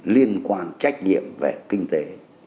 liên quan trách nhiệm về kinh tế